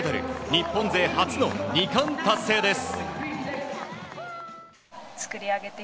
日本勢初の２冠達成です。